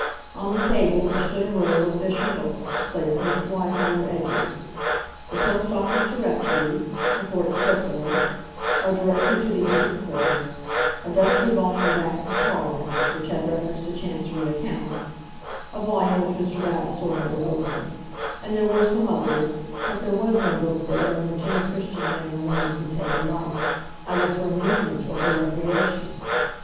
On the table there stood a row of official books, placed lengthways on their edges: the "Post Office Directory," the "Court Circular," a "Directory to the Inns of Court," a dusty volume of Acts of Parliament, which had reference to Chancery accounts, a volume which Mr. Vavasor never opened; and there were some others; but there was no book there in which any Christian man or woman could take delight, either for amusement or for recreation.